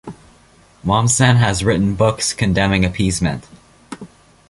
Mommsen has written books condemning appeasement.